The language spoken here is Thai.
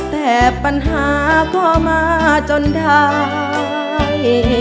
แต่ปัญหาก็มาจนได้